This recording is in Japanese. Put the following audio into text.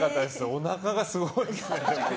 おなかがすごいですね。